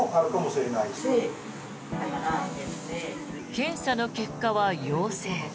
検査の結果は陽性。